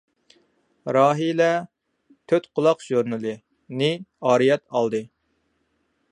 راھىلە «تۆتقۇلاق ژۇرنىلى» نى ئارىيەت ئالدى.